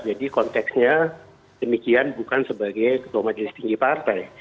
jadi konteksnya demikian bukan sebagai ketua majelis tinggi partai